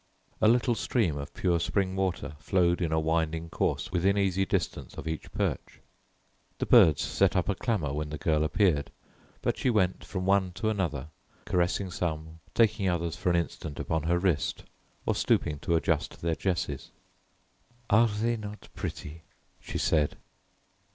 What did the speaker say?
A little stream of pure spring water flowed in a winding course within easy distance of each perch. The birds set up a clamour when the girl appeared, but she went from one to another, caressing some, taking others for an instant upon her wrist, or stooping to adjust their jesses. "Are they not pretty?" she said.